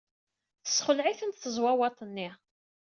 Tessexleɛ-itent tezwawaḍt-nni.